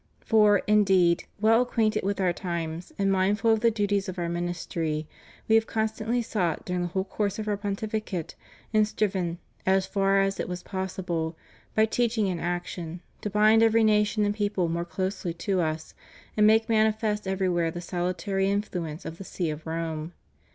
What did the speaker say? For, indeed, well acquainted with Our times, and mindful of the duties of 0\ir ministry, We have con stantly sought during the whole course of Our Pontificate and striven, as far as it was possible, by teaching and action, to bind every nation and people more closely to Us, and make manifest everywhere the salutary influence of the See of Rome.